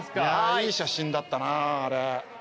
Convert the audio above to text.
いい写真だったなあれ。